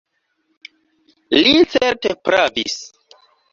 Li certe pravis.